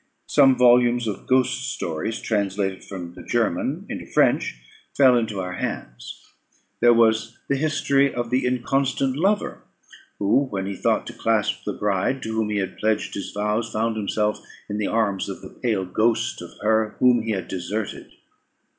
Some volumes of ghost stories, translated from the German into French, fell into our hands. There was the History of the Inconstant Lover, who, when he thought to clasp the bride to whom he had pledged his vows, found himself in the arms of the pale ghost of her whom he had deserted.